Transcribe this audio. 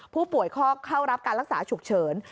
ผู้ป่วยเข้ารับการรักษาฉุกเฉิน